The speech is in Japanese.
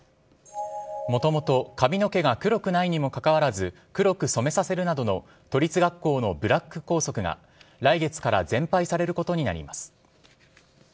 もともと髪の毛が黒くないにもかかわらず黒く染めさせるなどの都立学校のブラック校則が来月から全廃されることになります。